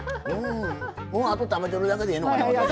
もうあと食べてるだけでええのかな？